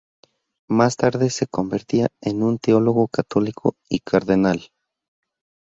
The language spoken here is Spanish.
Más tarde se convertiría en un teólogo católico y cardenal.